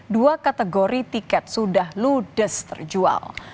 dua kategori tiket sudah ludes terjual